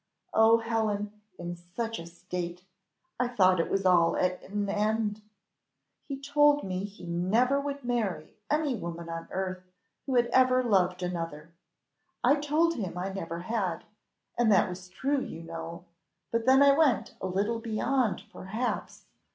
Oh, Helen, in such a state! I thought it was all at an end. He told me he never would marry any woman on earth who had ever loved another. I told him I never had, and that was true, you know; but then I went a little beyond perhaps.